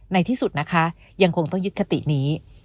ในที่สุดนะคะยังคงต้องยึดคตินี้